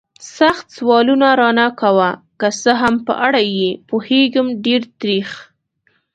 سخت سوالونه را نه کوه. که څه هم په اړه یې پوهېږم، ډېر تریخ.